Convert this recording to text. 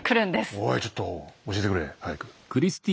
おいちょっと教えてくれ早く。